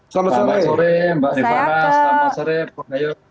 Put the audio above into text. selamat sore mbak nifas selamat sore pak gayus